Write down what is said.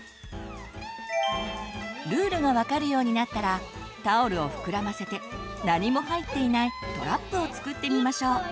ルールが分かるようになったらタオルをふくらませて何も入っていないトラップを作ってみましょう。